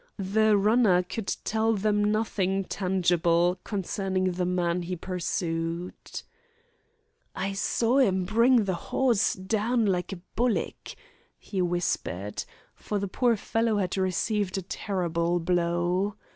The "runner" could tell them nothing tangible concerning the man he pursued. "I sawr 'im bring the hoss dahn like a bullick," he whispered, for the poor fellow had received a terrible blow.